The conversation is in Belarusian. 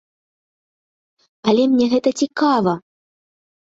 Але мне гэта цікава!